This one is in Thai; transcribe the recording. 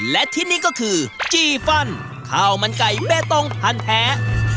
และที่นี่ก็คือจีฟันข้าวมันไก่เบตงพันธุ์แท้